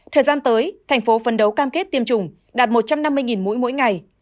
thời gian tới thành phố phấn đấu cam kết tiêm chủng đạt một trăm năm mươi mẫu mỗi ngày